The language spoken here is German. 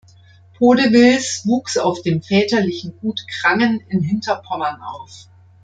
Podewils wuchs auf dem väterlichen Gut Krangen in Hinterpommern auf.